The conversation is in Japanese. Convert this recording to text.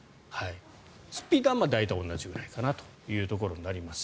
スピードは大体同じぐらいかなというところになります。